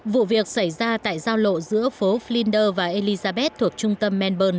vụ việc xảy ra tại giao lộ giữa phố flinders và elizabeth thuộc trung tâm melbourn